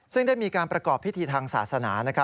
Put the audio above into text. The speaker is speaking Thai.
ซึ่งได้มีการประกอบพิธีทางศาสนา